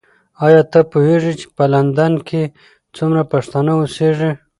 ایا ته پوهېږې چې په لندن کې څومره پښتانه اوسیږي؟